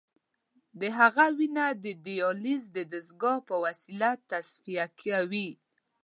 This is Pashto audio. د هغه وینه د دیالیز د دستګاه په وسیله تصفیه کوي.